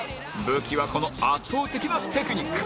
武器はこの圧倒的なテクニック